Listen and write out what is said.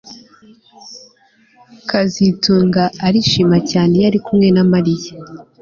kazitunga arishima cyane iyo ari kumwe na Mariya